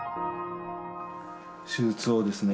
手術をですね